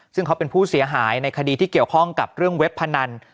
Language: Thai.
ซึ่งเขาเป็นผู้เสียหายในคดีที่เกี่ยวข้องกับเรื่องเว็บพนัน